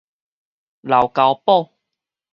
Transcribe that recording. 癟老頭